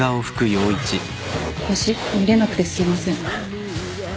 星見れなくてすいません。